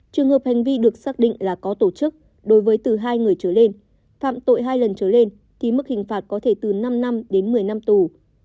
trường hợp hành vi được xác định là có tổ chức đối với từ hai người trở lên phạm tội hai lần trở lên thì mức hình phạt có thể từ năm năm đến một mươi năm tù